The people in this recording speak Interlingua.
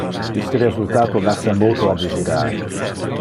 Iste resultato lassa multo a desirar.